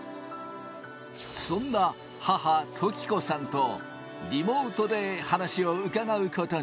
そんな母・都貴子さんとリモートで話を伺うことに。